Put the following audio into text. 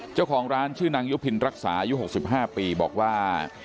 เจ้าของร้านชื่อนางยุพินรักษาอายุ๖๕ปีบอกว่า